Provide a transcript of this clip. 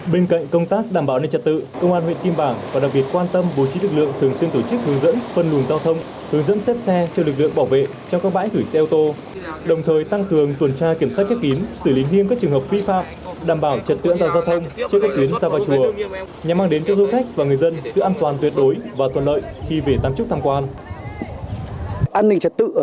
bên cạnh công tác đảm bảo an ninh trật tự công an huyện kim bảng và đặc việt quan tâm bố trí lực lượng thường xuyên tổ chức hướng dẫn phân lùng giao thông hướng dẫn xếp xe cho lực lượng bảo vệ trong các bãi thủy xe ô tô đồng thời tăng cường tuần tra kiểm soát kếp kín xử lý nghiêm các trường hợp vi phạm đảm bảo trật tự an toàn giao thông chữa các tuyến xa vào chùa nhằm mang đến cho du khách và người dân sự an toàn tuyệt đối và tuần lợi khi về tám trúc tham quan